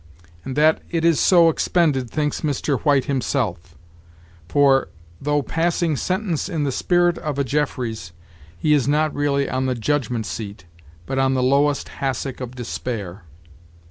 And that it is so expended thinks Mr. White himself; for, though passing sentence in the spirit of a Jeffreys, he is not really on the judgment seat, but on the lowest hassock of despair.